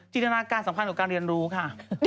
ตนาการสำคัญกับการเรียนรู้ค่ะ